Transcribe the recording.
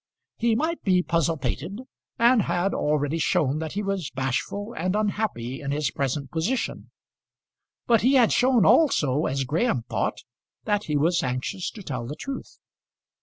He might be puzzle pated, and had already shown that he was bashful and unhappy in his present position; but he had shown also, as Graham thought, that he was anxious to tell the truth.